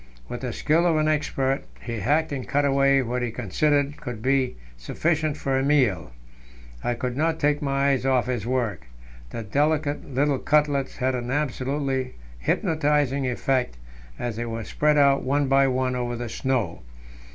With the skill of an expert, he hacked and cut away what he considered would be sufficient for a meal. I could not take my eyes off his work; the delicate little cutlets had an absolutely hypnotizing effect as they were spread out one by one over the snow.